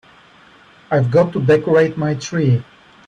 I've got to decorate my tree.